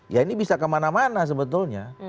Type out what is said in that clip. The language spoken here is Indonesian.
ya ini bisa kemana mana sebetulnya